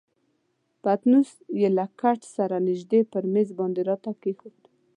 پتنوس یې له کټ سره نژدې پر میز باندې راته کښېښود.